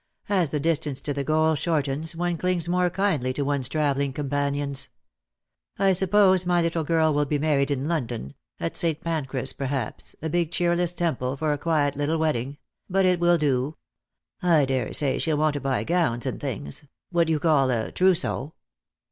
As the distance to the goal shortens, one clings more kindly to one's travelling companions. I suppose my little girl will be married in London — at St. Pancras perhaps; a big cheer less temple for a quiet little wedding ; but it will do. I daresay she'll want to buy gowns and things ; what you call a trousseau.